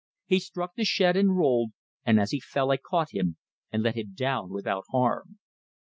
He struck the shed, and rolled, and as he fell, I caught him, and let him down without harm.